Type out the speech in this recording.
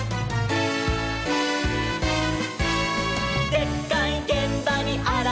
「でっかいげんばにあらわる！」